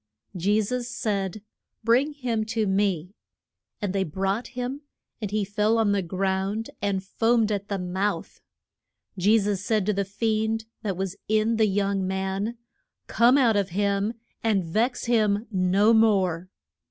Je sus said, Bring him to me. And they brought him; and he fell on the ground and foamed at the mouth. Je sus said to the fiend that was in the young man, Come out of him and vex him no more.